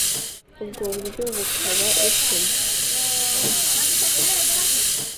Ubwo buryo bukaba butuma